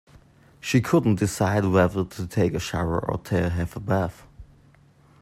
She couldn't decide whether to take a shower or to have a bath.